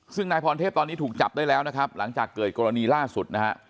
ซึ่งนายพรเทพตอนนี้ถูกจับได้แล้วนะครับหลังจากเกิดกรณีล่าสุดนะฮะ